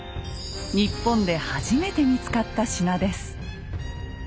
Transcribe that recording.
日本で初めて見つかった品です。